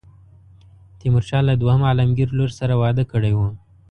تیمورشاه له دوهم عالمګیر لور سره واده کړی وو.